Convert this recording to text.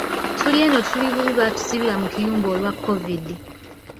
Tuli eno tuli bubi baatusibira mu kiyumba olwa COVID